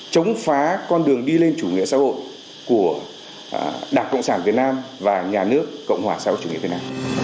chống phá con đường đi lên chủ nghĩa xã hội của đảng cộng sản việt nam và nhà nước cộng hòa sau chủ nghĩa việt nam